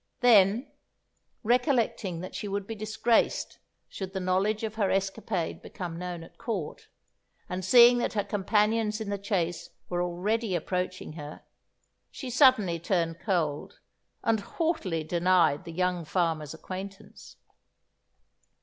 Then, recollecting that she would be disgraced should the knowledge of her escapade become known at Court, and seeing that her companions in the chase were already approaching her, she suddenly turned cold, and haughtily denied the young farmer's acquaintance.